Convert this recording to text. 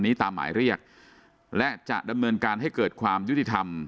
ตามหมายเรียกและจะดำเนินการให้เกิดความยุติธรรม